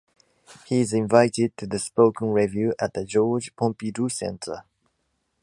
He is invited to the spoken review at the Georges Pompidou Center.